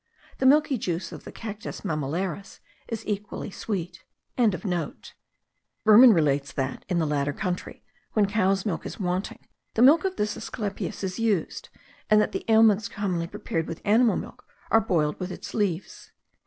The milky juice of the Cactus mamillaris is equally sweet.) and the Asclepias lactifera of Ceylon. Burman relates that, in the latter country, when cow's milk is wanting, the milk of this asclepias is used; and that the ailments commonly prepared with animal milk are boiled with its leaves.